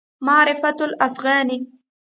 معرفت الافغاني